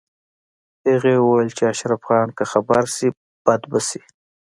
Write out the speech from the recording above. هغې وویل چې اشرف خان که خبر شي بد به شي